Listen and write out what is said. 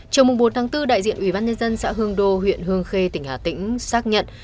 trong mùng bốn tháng bốn đại diện ủy ban nhân dân xã hương đô huyện hương khê tỉnh hà tĩnh xác nhận